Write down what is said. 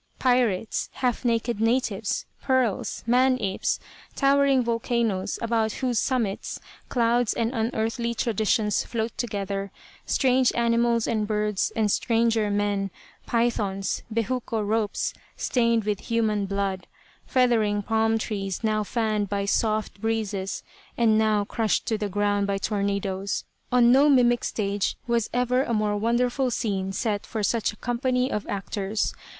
Pirates, half naked natives, pearls, man apes, towering volcanoes about whose summits clouds and unearthly traditions float together, strange animals and birds, and stranger men, pythons, bejuco ropes stained with human blood, feathering palm trees now fanned by soft breezes and now crushed to the ground by tornadoes; on no mimic stage was ever a more wonderful scene set for such a company of actors.